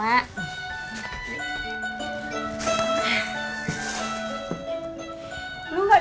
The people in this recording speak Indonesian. mak sudah pamit pulang ya mak